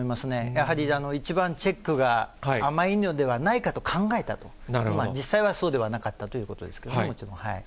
やはり、一番チェックが甘いのではないかと考えたと、実際はそうではなかったということですけどね、もちろん。